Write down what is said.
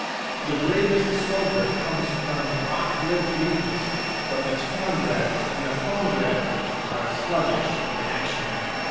The bravest soldier comes from rock ribbed regions ; but the town bred and the home bred are sluggish in action.